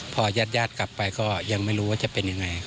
พอญาติกลับไปก็ยังไม่รู้ว่าจะเป็นยังไง